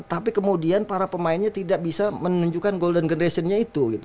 tapi kemudian para pemainnya tidak bisa menunjukkan golden generationnya itu gitu